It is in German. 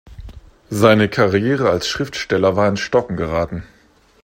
Seine Karriere als Schriftsteller war ins Stocken geraten.